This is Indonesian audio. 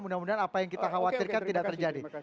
mudah mudahan apa yang kita khawatirkan tidak terjadi